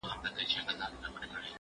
چي به ښكار د كوم يو سر خولې ته نژدې سو